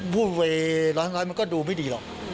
พูดเวล้อนเหล้ายเหมือนกว่าดูไม่ดีหรอก